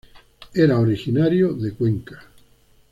Era originario de Cuenca.